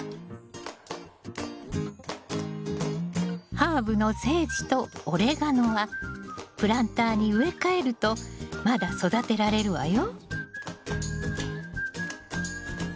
ハーブのセージとオレガノはプランターに植え替えるとまだ育てられるわよ。